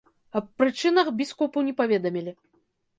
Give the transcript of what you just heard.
Аб прычынах біскупу не паведамілі.